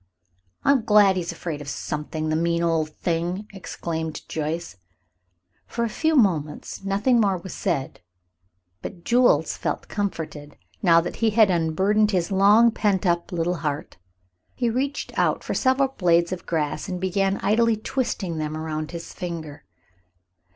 "I'm glad he is afraid of something, the mean old thing!" exclaimed Joyce. For a few moments nothing more was said, but Jules felt comforted now that he had unburdened his long pent up little heart. He reached out for several blades of grass and began idly twisting them around his finger.